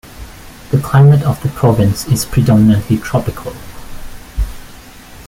The climate of the province is predominantly tropical.